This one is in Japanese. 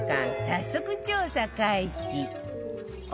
早速調査開始